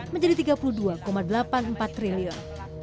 menjadi rp tiga puluh dua delapan puluh empat triliun